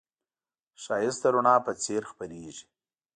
ښایست د رڼا په څېر خپرېږي